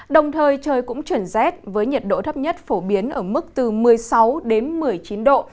đồng thời trời cũng chuyển rét với nhiệt độ thấp nhất phổ biến ở mức từ một mươi sáu đến một mươi chín độ